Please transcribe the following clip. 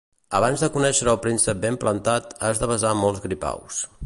Abans de conèixer el príncep ben plantat has de besar molts gripaus.